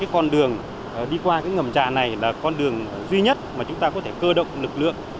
con đường đi qua ngầm trà này là con đường duy nhất mà chúng ta có thể cơ động lực lượng